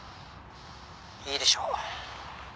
「いいでしょう」